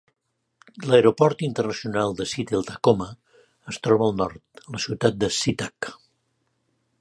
L'aeroport internacional de Seattle-Tacoma es troba al nord, a la ciutat de SeaTac.